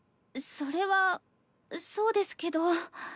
それはそうですけど。